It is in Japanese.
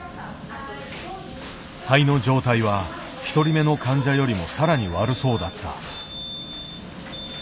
肺の状態は１人目の患者よりも更に悪そうだった。